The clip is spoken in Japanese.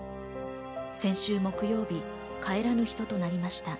先週木曜日、帰らぬ人となりました。